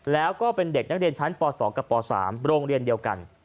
แล้วก็เป็นเด็กนักเรียนชั้นป๒กับป๓โรงเรียนเดียวกัน